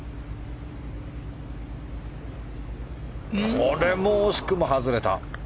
これも惜しくも外れた。